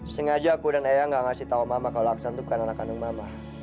sengaja aku dan ayah gak ngasih tau mama kalau aksan itu bukan anak kandung mama